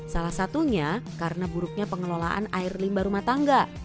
salah satunya karena buruknya pengelolaan air limba rumah tangga